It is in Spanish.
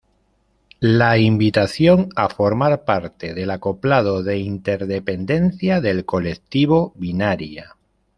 La invitación a formar parte del acoplado de interdependencia del Colectivo Binaria.